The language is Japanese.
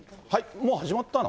もう始まったの？